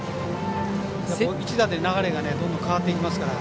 一打で流れがどんどん変わっていきますから。